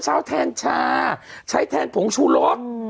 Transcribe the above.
เช้าแทนชาใช้แทนผงชูรส